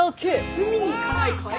海に行かないかい？